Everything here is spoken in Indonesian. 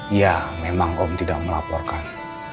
iya memang om tidak melaporkan